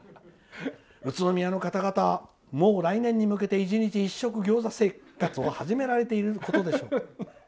宇都宮の方々、もう来年に向けて１日１食餃子生活を始められていることでしょう。